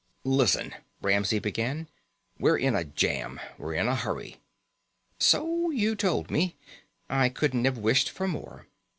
"Listen," Ramsey began. "We're in a jam. We're in a hurry." "So you told me. I couldn't have wished for more.